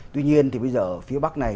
tuy nhiên thì bây giờ ở phía bắc này